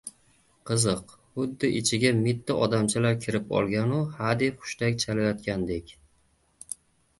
Qiziq, xuddi ichiga mitti odamchalar kirib olgan-u, hadeb hushtak chalayotgan- dek.